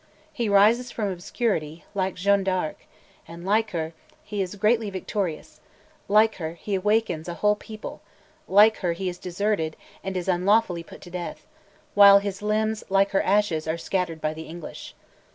He arises from obscurity, like Jeanne d'Arc; like her, he is greatly victorious; like her, he awakens a whole people; like her, he is deserted, and is unlawfully put to death; while his limbs, like her ashes, are scattered by the English.